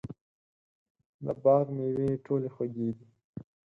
د باغ مېوې ټولې خوږې دي.